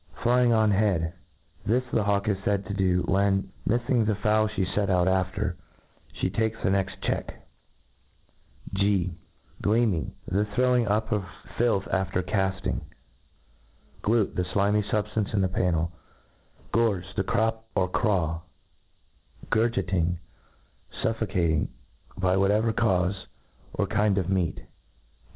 ^ Flying on head ; this the hawk is faid to do, when, mifSng the fowl ihe fet out after, fhe takes the next check G deeming ; the throwing up of filth after caft ing Glute J the (limy fubftance in the pannci Gorge ; the crop or craw Gurgiting, fuffocating, by whatever caufe, or kind of meat.